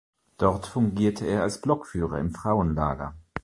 Dort fungierte er als Blockführer im Frauenlager.